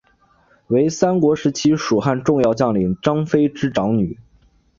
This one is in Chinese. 为三国时期蜀汉重要将领张飞之长女。